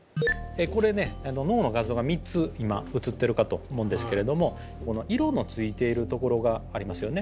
これね脳の画像が３つ今映ってるかと思うんですけれどもこの色のついているところがありますよね。